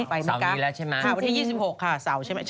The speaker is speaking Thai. ไปเนี่ยกับ